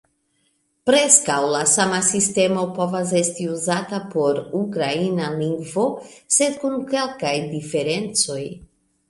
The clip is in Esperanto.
Preskaŭ la sama sistemo povas esti uzata por ukraina lingvo, sed kun kelkaj diferencoj.